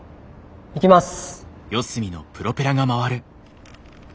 いきます。